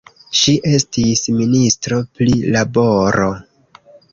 Ŝi estis ministro pri laboro.